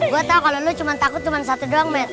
gue tau kalau lu cuma takut cuma satu doang